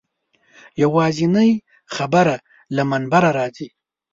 یوازینۍ خبرې له منبره راځي.